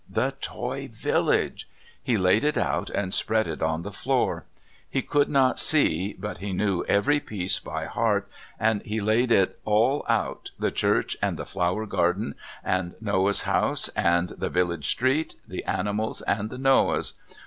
The toy village! He laid it out and spread it on the floor. He could not see, but he knew every piece by heart, and he laid it all out, the church and the flower garden, and the Noah's house and the village street, the animals and the Noahs.